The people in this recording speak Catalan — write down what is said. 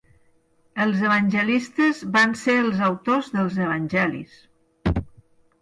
Els evangelistes van ser els autors dels evangelis.